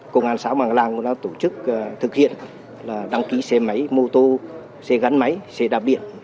công an xã quảng lăng cũng đã tổ chức thực hiện đăng ký xe máy mô tô xe gắn máy xe đạp biển